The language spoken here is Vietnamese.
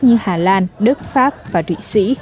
như hà lan đức pháp và thụy sĩ